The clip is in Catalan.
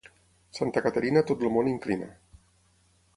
Santa Caterina tot el món inclina.